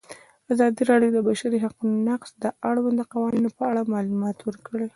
ازادي راډیو د د بشري حقونو نقض د اړونده قوانینو په اړه معلومات ورکړي.